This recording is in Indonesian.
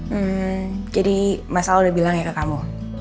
hmm jadi mas al udah bilang ya ke kamu